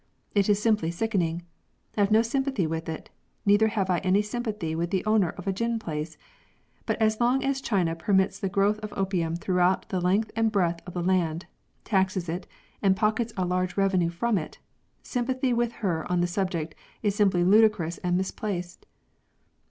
It is simply sickening. I have no sympathy with it, neither have I any sympathy Avith the owner of a gin palace ; but as long as China permits the growth of opium throughout the length and breadth of the land, taxes it, and pockets a large revenue froiji it, — sympathy with her on the subject is simply ludicrous and misplaced."